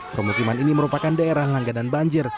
permukiman ini merupakan daerah langganan banjir